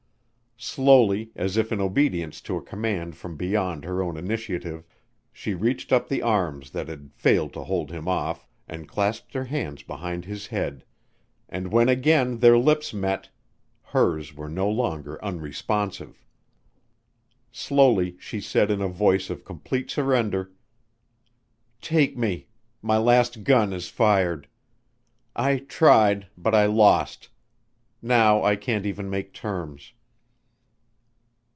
Slowly, as if in obedience to a command from beyond her own initiative, she reached up the arms that had failed to hold him off and clasped her hands behind his head and when again their lips met hers were no longer unresponsive. Slowly she said in a voice of complete surrender, "Take me my last gun is fired. I tried but I lost Now I can't even make terms."